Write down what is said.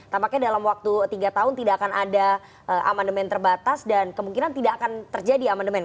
tampaknya dalam waktu tiga tahun tidak akan ada aman demen terbatas dan kemungkinan tidak akan terjadi aman demen